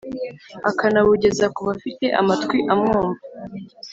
akanabugeza ku bafite amatwi amwumva!